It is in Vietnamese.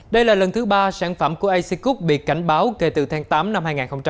đây là lần thứ ba sản phẩm của acecook bị cảnh báo kể từ tháng tám năm hai nghìn hai mươi một